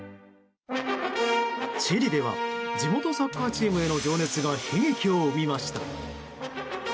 チリでは地元サッカーチームへの情熱が悲劇を生みました。